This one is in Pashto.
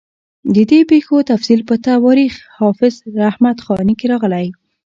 د دې پېښو تفصیل په تواریخ حافظ رحمت خاني کې راغلی.